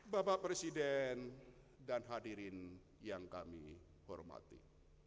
bapak presiden dan hadirin yang kami hormati